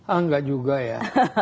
enggak juga ya